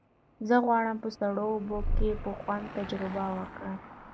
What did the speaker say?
زه غواړم په سړو اوبو کې په خوند تجربه وکړم.